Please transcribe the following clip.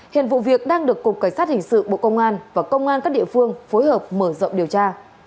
hiện vụ việc đang được cục cảnh sát hình sự bộ công an và công an các địa phương phối hợp mở rộng điều tra